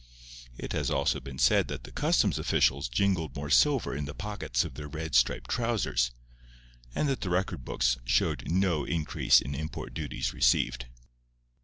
It has also been said that the customs officials jingled more silver in the pockets of their red striped trousers, and that the record books showed no increase in import duties received.